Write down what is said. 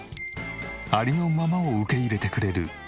ありのままを受け入れてくれるふるさと